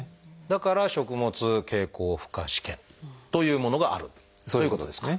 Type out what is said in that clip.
だから食物経口負荷試験というものがあるということですか？